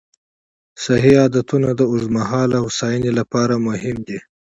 صحي عادتونه د اوږدمهاله هوساینې لپاره مهم دي.